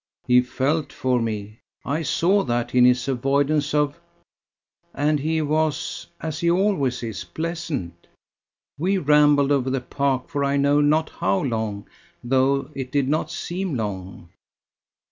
"He felt for me. I saw that in his avoidance of. .. And he was, as he always is, pleasant. We rambled over the park for I know not how long, though it did not seem long."